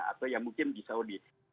atau yang mungkin di saudi